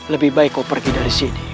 lebih baik kau pergi dari sini